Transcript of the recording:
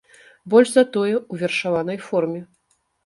Больш за тое, у вершаванай форме!